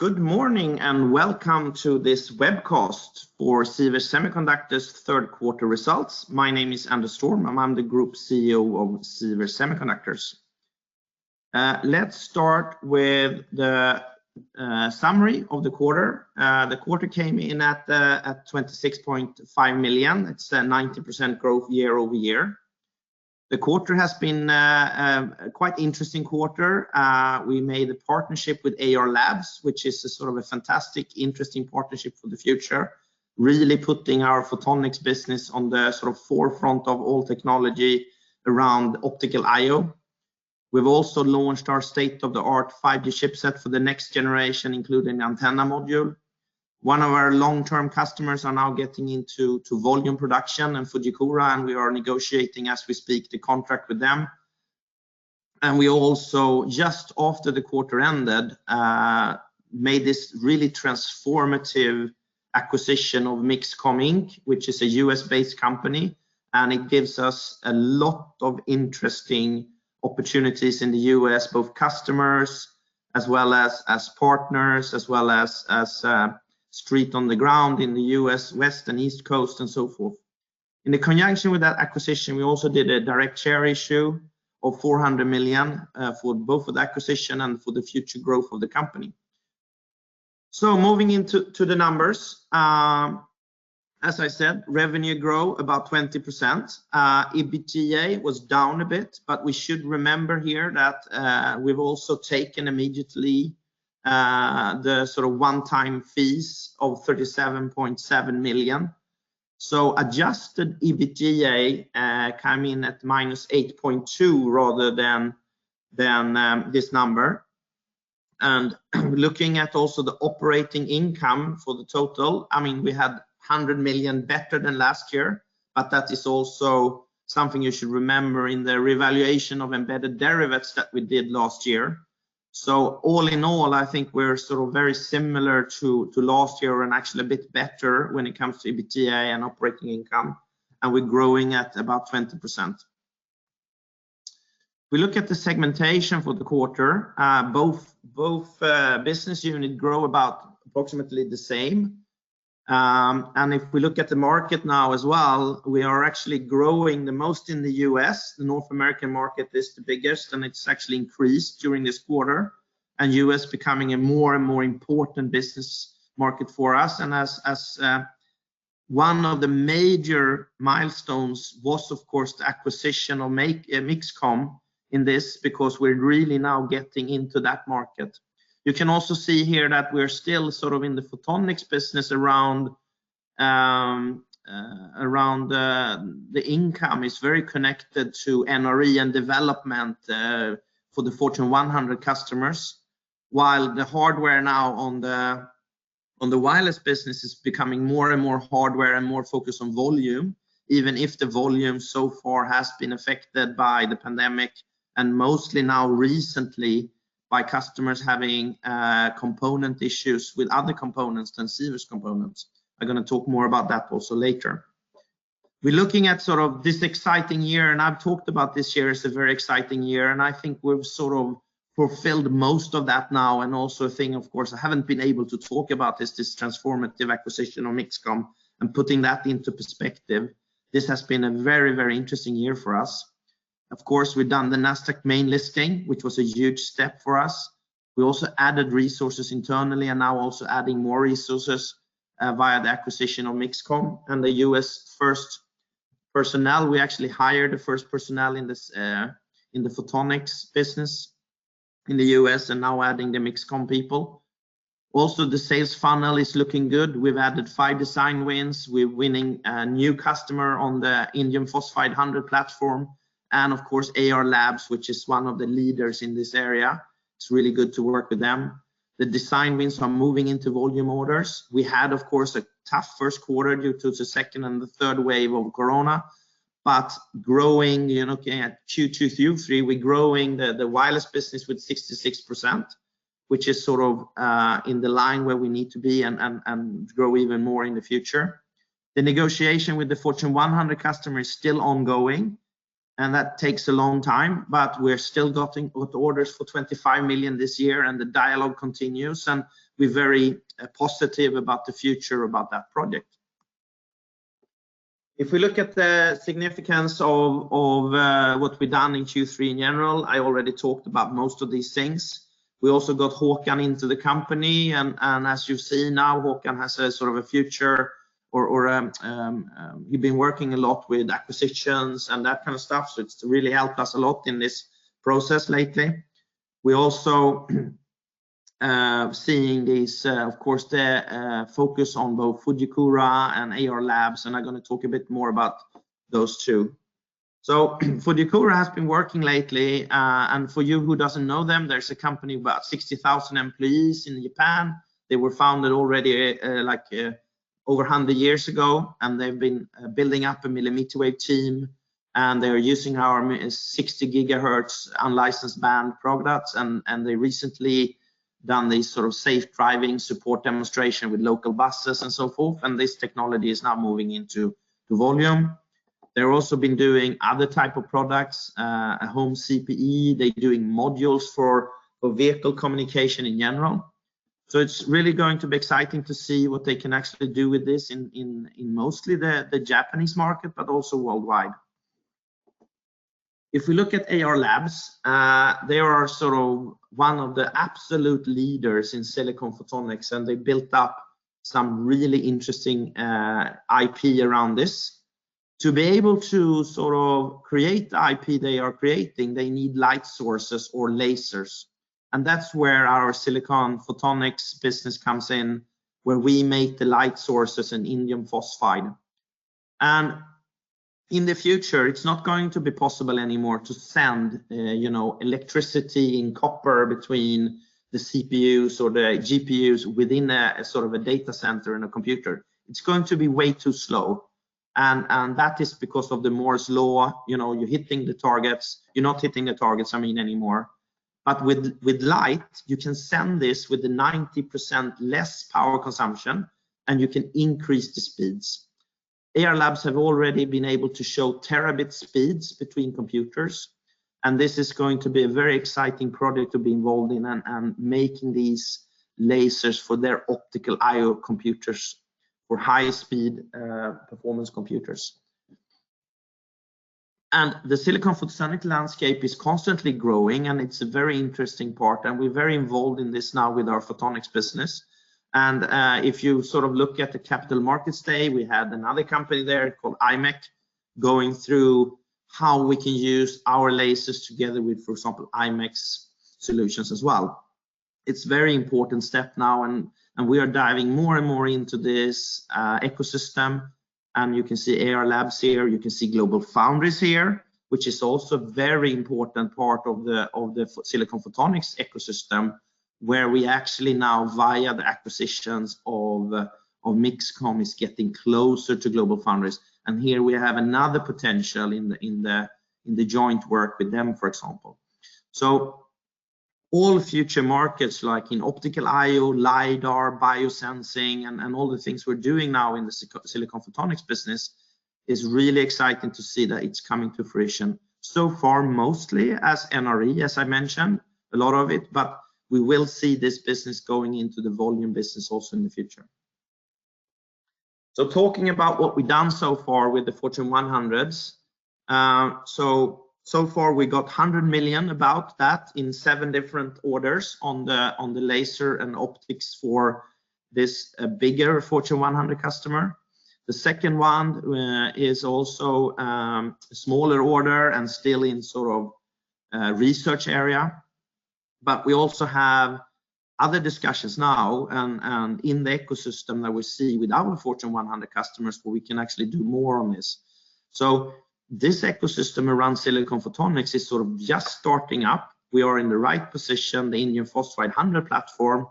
Good morning and welcome to this webcast for Sivers Semiconductors third quarter results. My name is Anders Storm, I'm the Group CEO of Sivers Semiconductors. Let's start with the summary of the quarter. The quarter came in at 26.5 million. It's a 90% growth year-over-year. The quarter has been quite interesting quarter. We made a partnership with Ayar Labs, which is a sort of a fantastic, interesting partnership for the future, really putting our photonics business on the sort of forefront of all technology around optical I/O. We've also launched our state-of-the-art 5G chipset for the next generation, including the antenna module. One of our long-term customers are now getting into volume production in Fujikura, and we are negotiating, as we speak, the contract with them. We also just after the quarter ended made this really transformative acquisition of MixComm Inc, which is a U.S.-based company, and it gives us a lot of interesting opportunities in the U.S., both customers as well as partners as well as strength on the ground in the U.S., West and East Coast and so forth. In conjunction with that acquisition, we also did a direct share issue of 400 million for both the acquisition and for the future growth of the company. Moving into the numbers, as I said, revenue grew about 20%. EBITDA was down a bit, but we should remember here that we've also taken immediately the sort of one-time fees of 37.7 million. Adjusted EBITDA come in at -8.2 rather than this number. Looking at also the operating income for the total, I mean, we had 100 million better than last year, but that is also something you should remember in the revaluation of embedded derivatives that we did last year. All in all, I think we're sort of very similar to last year and actually a bit better when it comes to EBITDA and operating income, and we're growing at about 20%. We look at the segmentation for the quarter, both business unit grow about approximately the same. If we look at the market now as well, we are actually growing the most in the U.S. The North American market is the biggest, and it's actually increased during this quarter, and U.S. becoming a more and more important business market for us. One of the major milestones was, of course, the acquisition of MixComm in this because we're really now getting into that market. You can also see here that we're still sort of in the photonics business around the income. It's very connected to NRE and development for the Fortune 100 customers. While the hardware now on the wireless business is becoming more and more hardware and more focused on volume, even if the volume so far has been affected by the pandemic and mostly now recently by customers having component issues with other components than Sivers's components. I'm gonna talk more about that also later. We're looking at sort of this exciting year, and I've talked about this year as a very exciting year, and I think we've sort of fulfilled most of that now. Also a thing, of course, I haven't been able to talk about this transformative acquisition of MixComm and putting that into perspective. This has been a very, very interesting year for us. Of course, we've done the Nasdaq main listing, which was a huge step for us. We also added resources internally and now also adding more resources via the acquisition of MixComm. In the U.S., we actually hired the first personnel in the photonics business in the U.S. and now adding the MixComm people. Also, the sales funnel is looking good. We've added five design wins. We're winning a new customer on the InP100 platform, and of course, Ayar Labs, which is one of the leaders in this area. It's really good to work with them. The design wins are moving into volume orders. We had, of course, a tough first quarter due to the second and the third wave of corona, but growing, you know, again, Q2, Q3, we're growing the wireless business with 66%, which is sort of in the line where we need to be and grow even more in the future. The negotiation with the Fortune 100 customer is still ongoing, and that takes a long time, but we're still getting orders for 25 million this year and the dialogue continues, and we're very positive about the future about that project. If we look at the significance of what we've done in Q3 in general, I already talked about most of these things. We also got Håkan into the company, and as you've seen now, Håkan has a sort of a future or he'd been working a lot with acquisitions and that kind of stuff, so it's really helped us a lot in this process lately. We're also seeing this, of course, the focus on both Fujikura and Ayar Labs, and I'm gonna talk a bit more about those two. Fujikura has been working lately, and for you who doesn't know them, there's a company about 60,000 employees in Japan. They were founded already, like, over 100 years ago, and they've been building up a millimeter wave team, and they're using our 60 GHz unlicensed band products. They recently done this sort of safe driving support demonstration with local buses and so forth, and this technology is now moving into the volume. They're also been doing other type of products, a home CPE. They're doing modules for vehicle communication in general. It's really going to be exciting to see what they can actually do with this in mostly the Japanese market, but also worldwide. If we look at Ayar Labs, they are sort of one of the absolute leaders in silicon photonics, and they built up some really interesting IP around this. To be able to sort of create the IP they are creating, they need light sources or lasers, and that's where our silicon photonics business comes in, where we make the light sources in indium phosphide. In the future, it's not going to be possible anymore to send, you know, electricity in copper between the CPUs or the GPUs within a sort of data center in a computer. It's going to be way too slow, and that is because of Moore's Law. You know, you're hitting the targets. You're not hitting the targets, I mean, anymore. But with light, you can send this with 90% less power consumption, and you can increase the speeds. Ayar Labs have already been able to show terabit speeds between computers, and this is going to be a very exciting project to be involved in and making these lasers for their optical I/O computers for high-speed performance computers. If you sort of look at the Capital Markets Day, we had another company there called imec going through how we can use our lasers together with, for example, imec's solutions as well. It's very important step now and we are diving more and more into this ecosystem, and you can see Ayar Labs here. You can see GlobalFoundries here, which is also very important part of the silicon photonics ecosystem, where we actually now, via the acquisitions of MixComm, is getting closer to GlobalFoundries. Here we have another potential in the joint work with them, for example. All future markets, like in optical I/O, LIDAR, biosensing, and all the things we're doing now in the silicon photonics business, is really exciting to see that it's coming to fruition. So far, mostly as NRE, as I mentioned, a lot of it, but we will see this business going into the volume business also in the future. Talking about what we've done so far with the Fortune 100s, so far we got about 100 million in seven different orders on the laser and optics for this bigger Fortune 100 customer. The second one is also a smaller order and still in sort of a research area. We also have other discussions now and in the ecosystem that we see with our Fortune 100 customers where we can actually do more on this. This ecosystem around silicon photonics is sort of just starting up. We are in the right position. The InP100 platform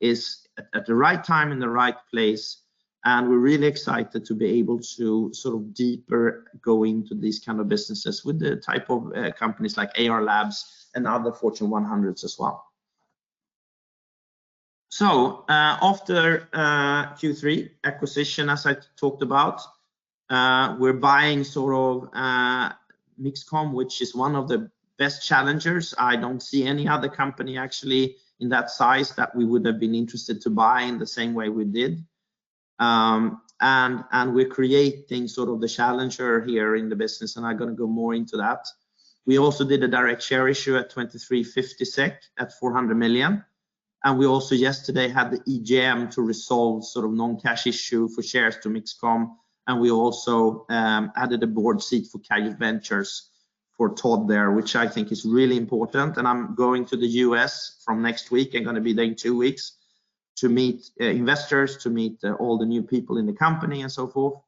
is at the right time, in the right place, and we're really excited to be able to sort of deeper go into these kind of businesses with the type of companies like Ayar Labs and other Fortune 100s as well. After Q3 acquisition, as I talked about, we're buying sort of MixComm, which is one of the best challengers. I don't see any other company actually in that size that we would have been interested to buy in the same way we did. And we're creating sort of the challenger here in the business, and I'm gonna go more into that. We also did a direct share issue at 23.50 SEK at 400 million, and we also yesterday had the EGM to resolve sort of non-cash issue for shares to MixComm, and we also added a board seat for Kairos Ventures for Todd there, which I think is really important. I'm going to the U.S. from next week and gonna be there in two weeks to meet investors, to meet all the new people in the company and so forth.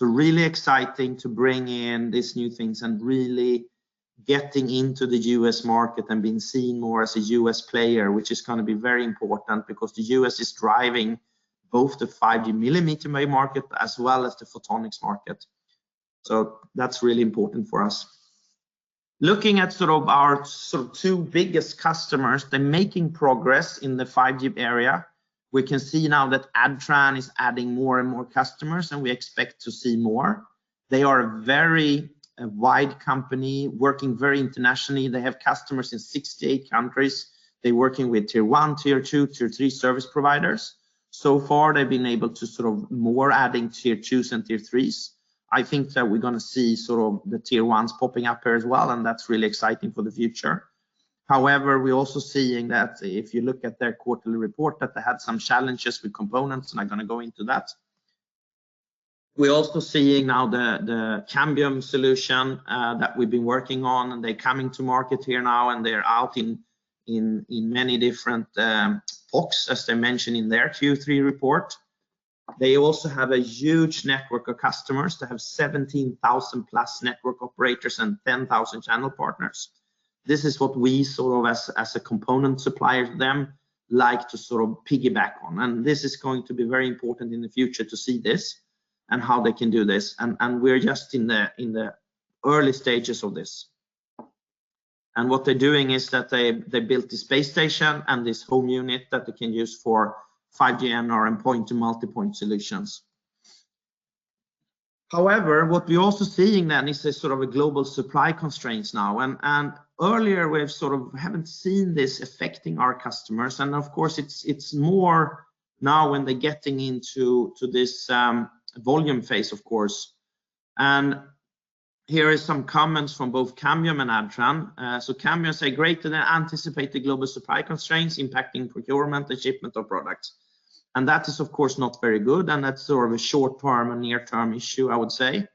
Really exciting to bring in these new things and really getting into the U.S. market and being seen more as a U.S. player, which is gonna be very important because the U.S. is driving both the 5G millimeter wave market as well as the photonics market. That's really important for us. Looking at sort of our two biggest customers, they're making progress in the 5G area. We can see now that Adtran is adding more and more customers, and we expect to see more. They are a very wide company working very internationally. They have customers in 68 countries. They're working with Tier 1, Tier 2, Tier 3 service providers. So far, they've been able to sort of add more Tier 2s and Tier 3s. I think that we're gonna see sort of the Tier 1s popping up here as well, and that's really exciting for the future. However, we're also seeing that if you look at their quarterly report, that they had some challenges with components. I'm not gonna go into that. We're also seeing now the Cambium solution that we've been working on, and they're coming to market here now, and they're out in many different PoCs, as they mention in their Q3 report. They also have a huge network of customers. They have 17,000+ network operators and 10,000 channel partners. This is what we sort of as a component supplier to them like to sort of piggyback on, and this is going to be very important in the future to see this and how they can do this. We're just in the early stages of this. What they're doing is that they built the base station and this home unit that they can use for 5G NR and point to multipoint solutions. However, what we're also seeing is this sort of global supply constraints now and earlier we've sort of haven't seen this affecting our customers. Of course it's more now when they're getting into this volume phase, of course. Here is some comments from both Cambium and Adtran. Cambium say great to anticipate the global supply constraints impacting procurement and shipment of products. That is of course not very good, and that's sort of a short term and near term issue I would say.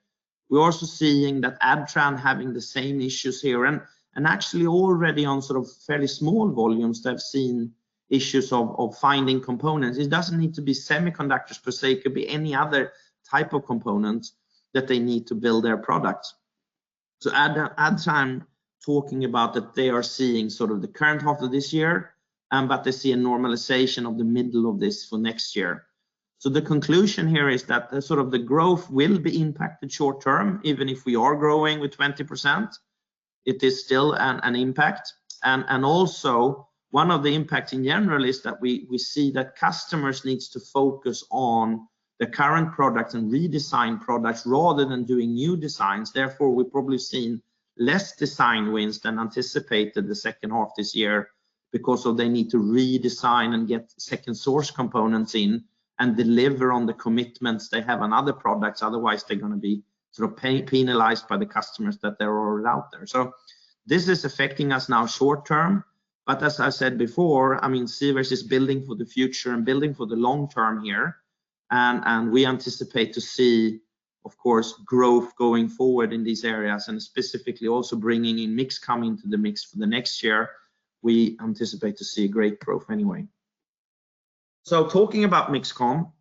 We're also seeing that Adtran having the same issues here and actually already on sort of fairly small volumes, they've seen issues of finding components. It doesn't need to be semiconductors per se, it could be any other type of components that they need to build their products. Adtran talking about that they are seeing sort of the current half of this year, but they see a normalization in the middle of next year. The conclusion here is that the sort of the growth will be impacted short term, even if we are growing with 20%, it is still an impact. Also one of the impacts in general is that we see that customers need to focus on the current products and redesign products rather than doing new designs. Therefore, we've probably seen less design wins than anticipated the second half this year because they need to redesign and get second source components in and deliver on the commitments they have on other products. Otherwise, they're gonna be sort of penalized by the customers that they're already out there. This is affecting us now short term, but as I said before, I mean, Sivers is building for the future and building for the long term here. We anticipate to see of course, growth going forward in these areas and specifically also bringing in MixComm into the mix for the next year. We anticipate to see great growth anyway. Talking about MixComm,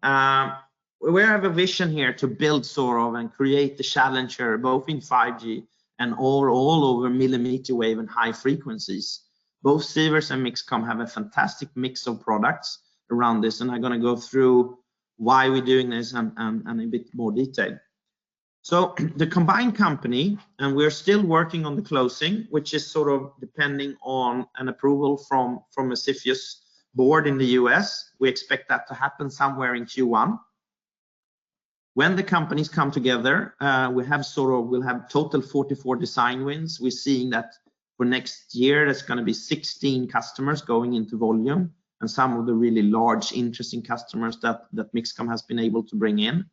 we have a vision here to build sort of and create the challenger both in 5G and all over millimeter wave and high frequencies. Both Sivers and MixComm have a fantastic mix of products around this, and I'm gonna go through why we're doing this and in a bit more detail. The combined company, and we're still working on the closing, which is sort of depending on an approval from a CFIUS board in the U.S. We expect that to happen somewhere in Q1. When the companies come together, we have sort of, we'll have total 44 design wins. We're seeing that for next year there's gonna be 16 customers going into volume and some of the really large interesting customers that MixComm has been able to bring in.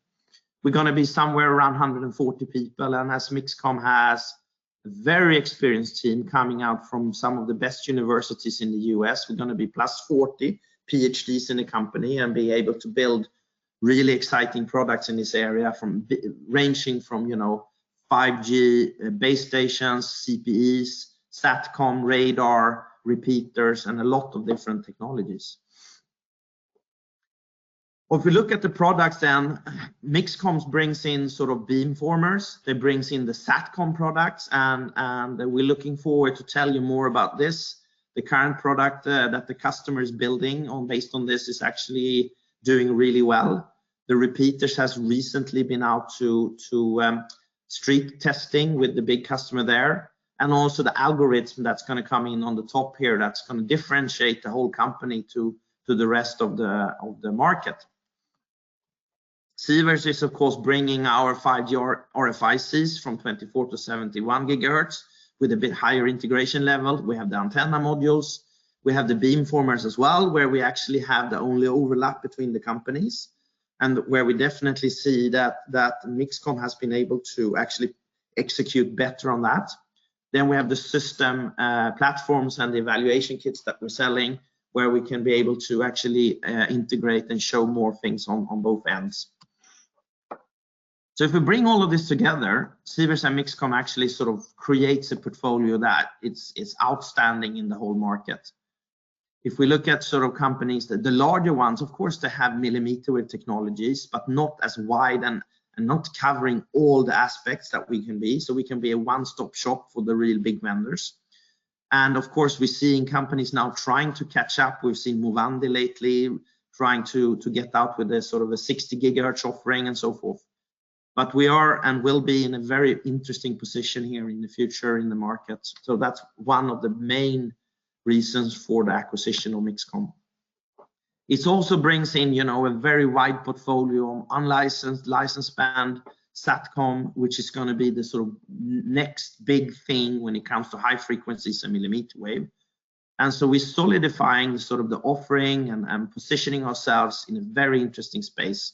We're gonna be somewhere around 140 people, and as MixComm has very experienced team coming out from some of the best universities in the U.S., we're gonna be +40 PhDs in the company and be able to build really exciting products in this area ranging from, you know, 5G base stations, CPEs, satcom, radar, repeaters, and a lot of different technologies. If we look at the products then MixComm brings in sort of beamformers, that brings in the satcom products and we're looking forward to tell you more about this. The current product that the customer is building based on this is actually doing really well. The repeaters has recently been out to street testing with the big customer there. Also the algorithm that's gonna come in on the top here, that's gonna differentiate the whole company to the rest of the market. Sivers is of course bringing our 5G RFICs from 24-71 GHz with a bit higher integration level. We have the antenna modules. We have the beamformers as well, where we actually have the only overlap between the companies and where we definitely see that MixComm has been able to actually execute better on that. We have the system, platforms and the evaluation kits that we're selling, where we can be able to actually integrate and show more things on both ends. If we bring all of this together, Sivers and MixComm actually sort of creates a portfolio that it's outstanding in the whole market. If we look at sort of companies that the larger ones, of course, they have millimeter wave technologies, but not as wide and not covering all the aspects that we can be. We can be a one-stop shop for the real big vendors. Of course, we're seeing companies now trying to catch up. We've seen Movandi lately trying to get out with a sort of a 60 GHz offering and so forth. We are and will be in a very interesting position here in the future in the market. That's one of the main reasons for the acquisition of MixComm. It also brings in, you know, a very wide portfolio, unlicensed, licensed band, satcom, which is gonna be the sort of next big thing when it comes to high frequencies and millimeter wave. We're solidifying sort of the offering and positioning ourselves in a very interesting space.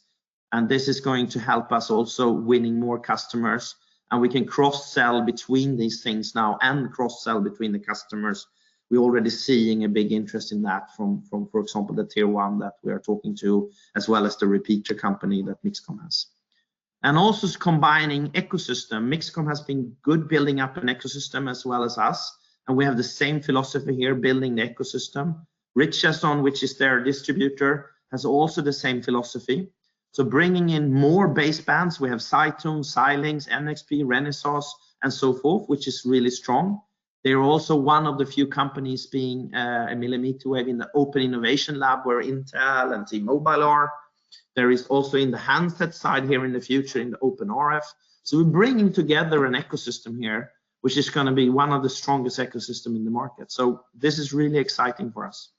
This is going to help us also winning more customers, and we can cross-sell between these things now and cross-sell between the customers. We're already seeing a big interest in that from, for example, the Tier 1 that we are talking to, as well as the repeater company that MixComm has. Also combining ecosystem. MixComm has been good building up an ecosystem as well as us, and we have the same philosophy here, building the ecosystem. Richardson RFPD, which is their distributor, has also the same philosophy. Bringing in more basebands, we have SiTune, Xilinx, NXP, Renesas and so forth, which is really strong. They're also one of the few companies being a millimeter wave in the open innovation lab where Intel and T-Mobile are. There is also in the handset side here in the future in the OpenRF. We're bringing together an ecosystem here, which is gonna be one of the strongest ecosystem in the market. This is really exciting for us.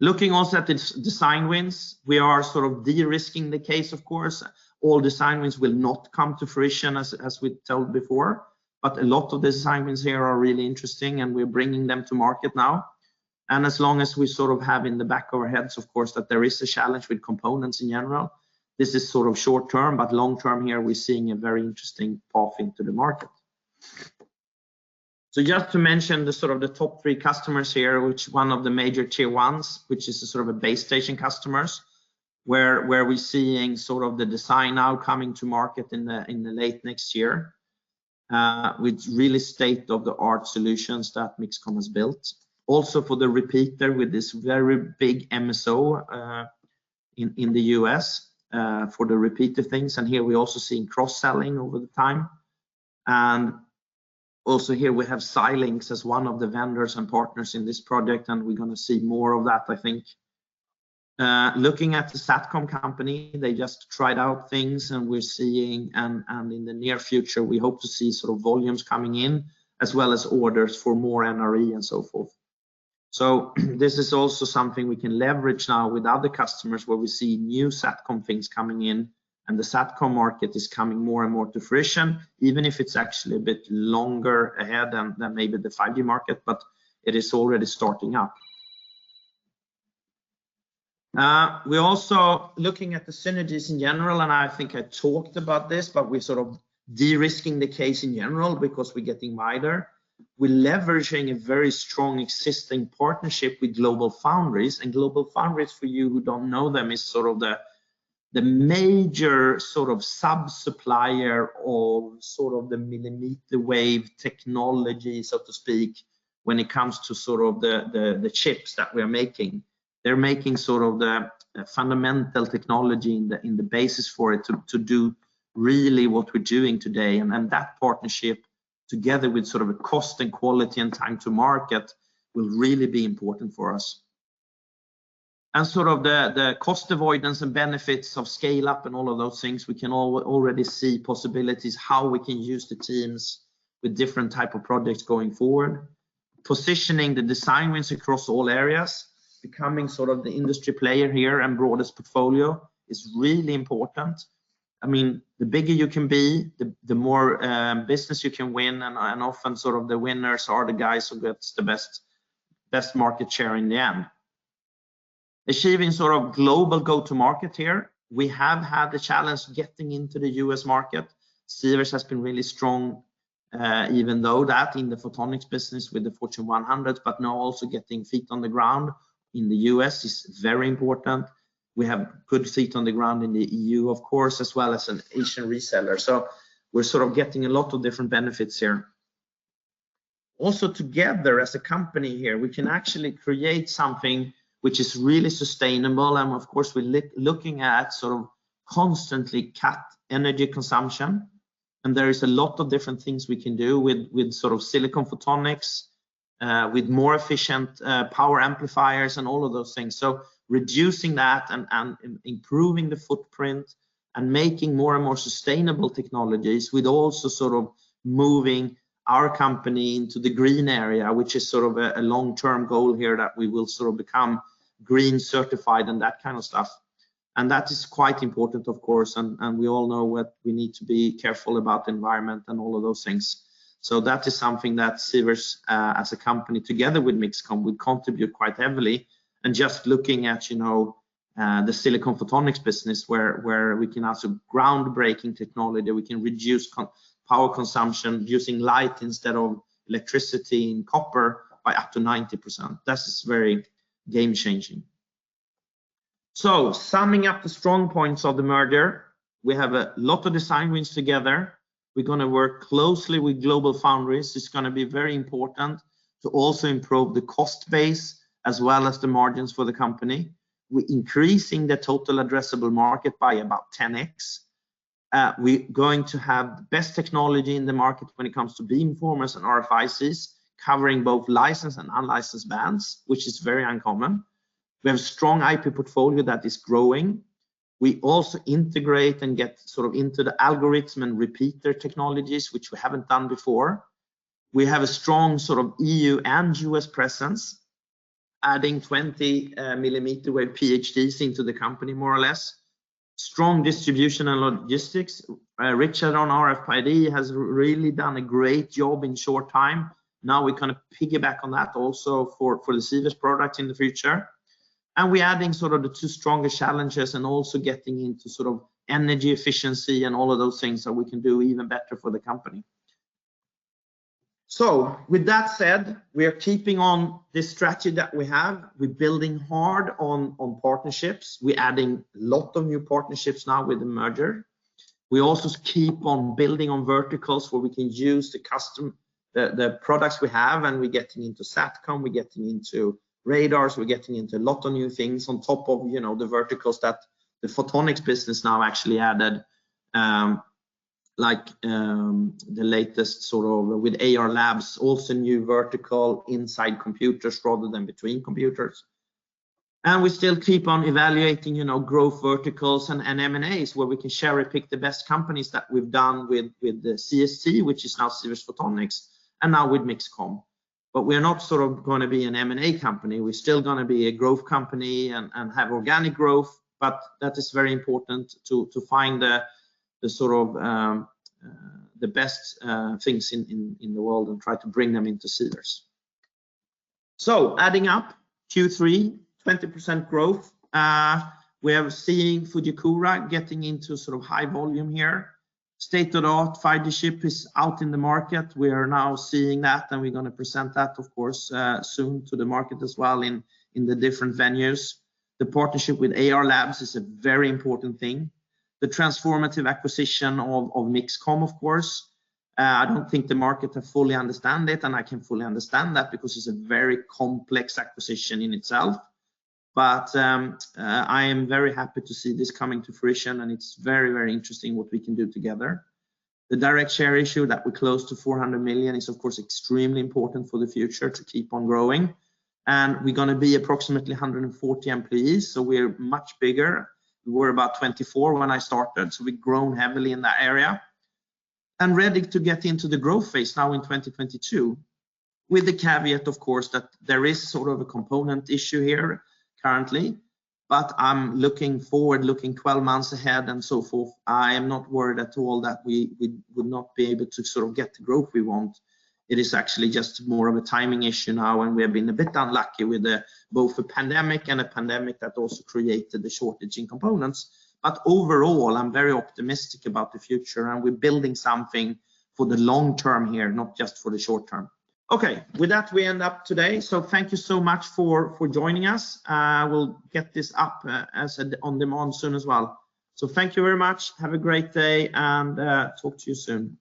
Looking also at the design wins, we are sort of de-risking the case, of course. All design wins will not come to fruition as we told before, but a lot of the design wins here are really interesting, and we're bringing them to market now. As long as we sort of have in the back of our heads, of course, that there is a challenge with components in general, this is sort of short term, but long term here, we're seeing a very interesting path into the market. Just to mention the sort of the top three customers here, which one of the major Tier 1s, which is a sort of a base station customers, where we're seeing sort of the design now coming to market in the late next year, with really state-of-the-art solutions that MixComm has built. Also for the repeater with this very big MSO in the U.S. for the repeater things. Here we're also seeing cross-selling over time. Also here we have Xilinx as one of the vendors and partners in this project, and we're gonna see more of that, I think. Looking at the satcom company, they just tried out things, and we're seeing in the near future, we hope to see sort of volumes coming in as well as orders for more NRE and so forth. This is also something we can leverage now with other customers where we see new satcom things coming in and the satcom market is coming more and more to fruition, even if it's actually a bit longer ahead than maybe the 5G market, but it is already starting up. We're also looking at the synergies in general, and I think I talked about this, but we're sort of de-risking the case in general because we're getting wider. We're leveraging a very strong existing partnership with GlobalFoundries. GlobalFoundries, for you who don't know them, is sort of the major sort of sub-supplier of sort of the millimeter wave technology, so to speak, when it comes to sort of the chips that we're making. They're making sort of the fundamental technology and the basis for it to do really what we're doing today. That partnership together with sort of a cost and quality and time to market will really be important for us. Sort of the cost avoidance and benefits of scale-up and all of those things, we can already see possibilities how we can use the teams with different type of projects going forward. Positioning the design wins across all areas, becoming sort of the industry player here and broadest portfolio is really important. I mean, the bigger you can be, the more business you can win, and often sort of the winners are the guys who gets the best market share in the end. Achieving sort of global go-to-market here, we have had the challenge getting into the U.S. market. Sivers has been really strong, even though we're in the photonics business with the Fortune 100, but now also getting feet on the ground in the U.S. is very important. We have good feet on the ground in the EU, of course, as well as an Asian reseller. We're sort of getting a lot of different benefits here. Also together as a company here, we can actually create something which is really sustainable, and of course, we're looking at sort of constantly cut energy consumption. There is a lot of different things we can do with sort of silicon photonics, with more efficient power amplifiers and all of those things. Reducing that and improving the footprint and making more and more sustainable technologies with also sort of moving our company into the green area, which is sort of a long-term goal here that we will sort of become green certified and that kind of stuff. That is quite important, of course, and we all know what we need to be careful about the environment and all of those things. That is something that Sivers, as a company together with MixComm will contribute quite heavily. Just looking at, you know, the silicon photonics business where we can have some groundbreaking technology, we can reduce power consumption using light instead of electricity and copper by up to 90%. That is very game-changing. Summing up the strong points of the merger, we have a lot of design wins together. We're gonna work closely with GlobalFoundries. It's gonna be very important to also improve the cost base as well as the margins for the company. We're increasing the total addressable market by about 10x. We're going to have the best technology in the market when it comes to beamformers and RFICs, covering both licensed and unlicensed bands, which is very uncommon. We have a strong IP portfolio that is growing. We also integrate and get sort of into the algorithm and repeater technologies, which we haven't done before. We have a strong sort of EU and U.S. presence, adding 20 millimeter wave PhDs into the company more or less. Strong distribution and logistics. Richardson RFPD has really done a great job in short time. Now we kinda piggyback on that also for the Sivers product in the future. We're adding sort of the two strongest channels and also getting into sort of energy efficiency and all of those things that we can do even better for the company. With that said, we are keeping on the strategy that we have. We're building hard on partnerships. We're adding a lot of new partnerships now with the merger. We also keep on building on verticals where we can use the products we have, and we're getting into satcom, we're getting into radars, we're getting into a lot of new things on top of, you know, the verticals that the photonics business now actually added. Like, the latest sort of with Ayar Labs, also new vertical inside computers rather than between computers. We still keep on evaluating, you know, growth verticals and M&As where we can cherry-pick the best companies that we've done with the CST, which is now Sivers Photonics, and now with MixComm. We're not sort of gonna be an M&A company. We're still gonna be a growth company and have organic growth. That is very important to find the sort of best things in the world and try to bring them into Sivers. Adding up Q3, 20% growth. We are seeing Fujikura getting into sort of high volume here. State-of-the-art fiber chip is out in the market. We are now seeing that, and we're gonna present that of course soon to the market as well in the different venues. The partnership with Ayar Labs is a very important thing. The transformative acquisition of MixComm of course, I don't think the market have fully understand it, and I can fully understand that because it's a very complex acquisition in itself. I am very happy to see this coming to fruition, and it's very, very interesting what we can do together. The direct share issue that we're close to 400 million is of course extremely important for the future to keep on growing. We're gonna be approximately 140 employees, so we're much bigger. We were about 24 when I started, so we've grown heavily in that area. Ready to get into the growth phase now in 2022 with the caveat of course that there is sort of a component issue here currently. I'm looking forward, looking 12 months ahead and so forth. I am not worried at all that we would not be able to sort of get the growth we want. It is actually just more of a timing issue now, and we have been a bit unlucky with both the pandemic and the pandemic that also created the shortage in components. Overall, I'm very optimistic about the future, and we're building something for the long term here, not just for the short term. Okay. With that, we end up today. So thank you so much for joining us. We'll get this up as on-demand soon as well. So thank you very much. Have a great day and talk to you soon.